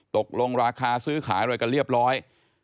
ตกลงราคาซื้อขายเรียบร้อย